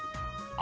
あ！